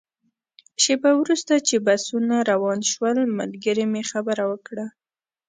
شېبه وروسته چې بسونه روان شول، ملګري مې خبره وکړه.